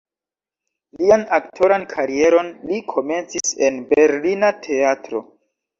Lian aktoran karieron li komencis en berlina teatro.